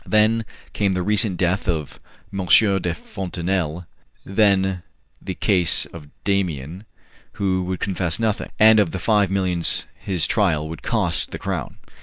Then came the recent death of M. de Fontenelle, then the case of Damien, who would confess nothing, and of the five millions his trial would cost the Crown.